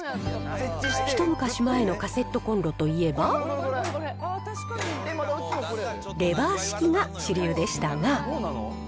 一昔前のカセットコンロといえば、レバー式が主流でしたが。